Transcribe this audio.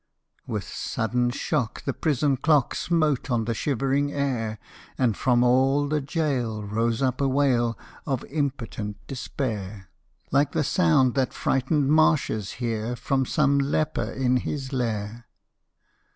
With sudden shock the prison clock Smote on the shivering air, And from all the gaol rose up a wail Of impotent despair, Like the sound that frightened marshes hear From some leper in his lair.